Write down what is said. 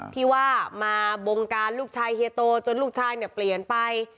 ที่ว่ามาบงการลูกชายเฮียโตจนลูกชายเนี่ยเปลี่ยนไป